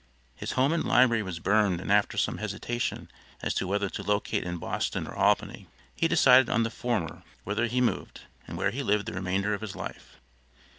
His home and library was burned and after some hesitation as to whether to locate in Boston or Albany, he decided on the former whither he moved, and where he lived the remainder of his life.